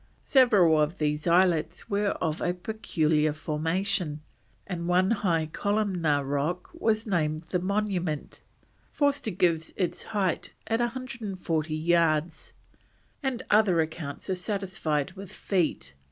Several of these islets were of a peculiar formation, and one high columnar rock was named the Monument; Forster gives its height as 140 yards, the other accounts are satisfied with feet.